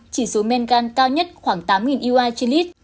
chỉ số men gan cao nhất khoảng tám ua trên lít